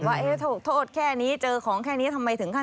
ว่าโทษแค่นี้เจอของแค่นี้ทำไมถึงขั้น